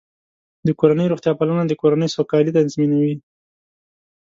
د کورنۍ روغتیا پالنه د کورنۍ سوکالي تضمینوي.